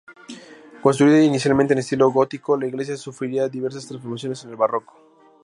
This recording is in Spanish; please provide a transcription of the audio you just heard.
Construida inicialmente en estilo gótico, la iglesia sufriría diversas transformaciones en el barroco.